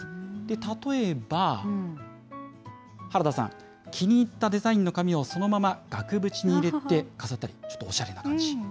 例えば原田さん、気に入ったデザインの紙をそのまま額縁に入れて飾ったり、ちょっとおしゃれな感じ。